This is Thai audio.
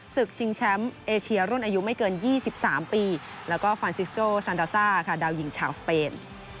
ชิงแชมป์เอเชียรุ่นอายุไม่เกิน๒๓ปีแล้วก็ฟานซิสโกซันดาซ่าค่ะดาวหญิงชาวสเปน